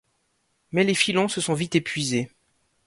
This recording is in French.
Mais les filons se sont vite épuisés.